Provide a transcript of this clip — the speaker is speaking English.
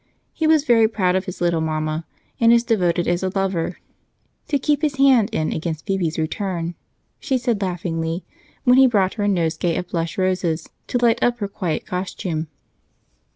He was very proud of his little mama, and as devoted as a lover, "to keep his hand in against Phebe's return," she said laughingly when he brought her a nosegay of blush roses to light up her quiet costume.